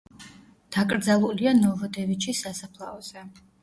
დაკრძალულია ნოვოდევიჩის სასაფლაოზე.